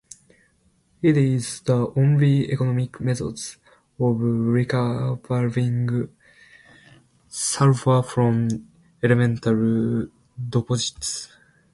It is the only economic method of recovering sulfur from elemental deposits.